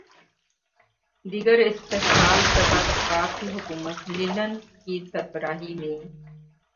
دیگر استحصال زدہ طبقات کی حکومت لینن کی سربراہی میں